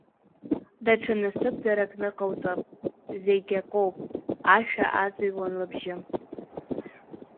Даҽа насыԥдарак ныҟауҵап, зегьа коуп ашәа аҵыҩуан лыбжьы.